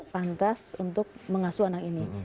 pantas untuk mengasuh anak ini